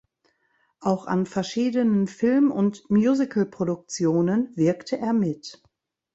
Auch an verschiedenen Film- und Musicalproduktionen wirkte er mit.